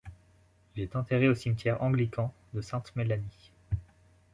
Il est enterré aux cimetière anglican de Sainte-Mélanie.